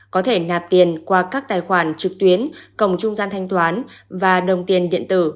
có thể nạp tiền qua các tài khoản trực tuyến cổng trung gian thanh toán và đồng tiền điện tử